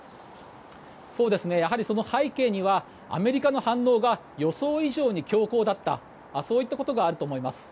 やはり背景にはアメリカの反応が予想以上に強硬だったそういったことがあると思います。